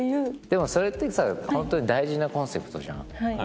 でもそれってさホントに大事なコンセプトじゃん。